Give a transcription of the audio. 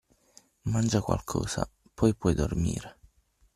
Mangia qualcosa, poi puoi dormire.